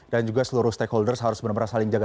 dan juga seluruh stakeholders harus benar benar saling jaga